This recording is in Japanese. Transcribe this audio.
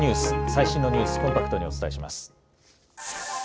最新のニュース、コンパクトにお伝えします。